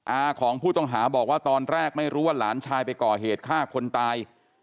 อาของผู้ต้องหาบอกว่าตอนแรกไม่รู้ว่าหลานชายไปก่อเหตุฆ่าคนตาย